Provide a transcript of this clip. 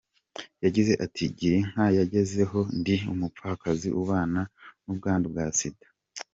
Yagize ati "Girinka yangezeho ndi umupfakazi ubana n’ubwandu bwa Sida.